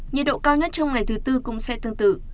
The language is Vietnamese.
nhiệt độ cao nhất trong ngày thứ tư cũng sẽ tương tự